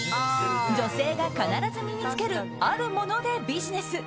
女性が必ず身に着けるあるものでビジネス。